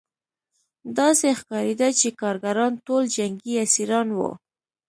داسې ښکارېده چې کارګران ټول جنګي اسیران وو